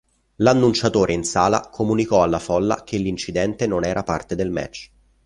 L'annunciatore in sala comunicò alla folla che l'incidente non era parte del match.